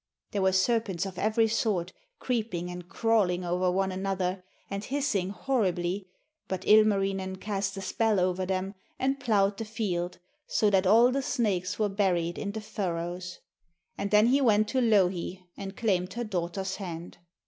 There were serpents of every sort, creeping and crawling over one another, and hissing horribly, but Ilmarinen cast a spell over them, and ploughed the field, so that all the snakes were buried in the furrows. And then he went to Louhi, and claimed her daughter's hand.